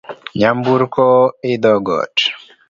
Nyamburko idho got